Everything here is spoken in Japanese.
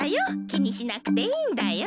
きにしなくていいんだよ。